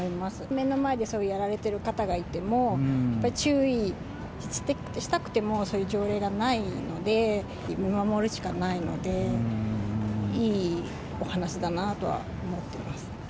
目の前でそういうやられてる方がいても、やっぱり注意したくても、そういう条例がないので、見守るしかないので、いいお話だなとは思ってます。